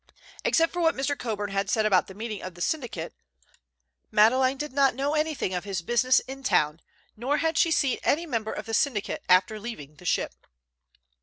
Except for what Mr. Coburn had said about the meeting of the syndicate, Madeleine did not know anything of his business in town, nor had she seen any member of the syndicate after leaving the ship.